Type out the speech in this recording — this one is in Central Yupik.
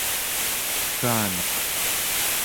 tegganeq